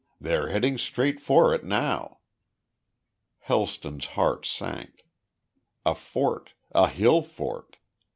They are heading straight for it now." Helston's heart sank. A fort a hill fort!